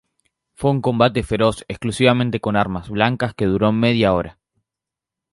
Fue un combate feroz exclusivamente con armas blancas que duró media hora.